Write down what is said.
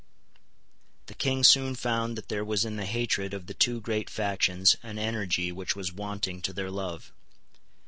The King soon found that there was in the hatred of the two great factions an energy which was wanting to their love.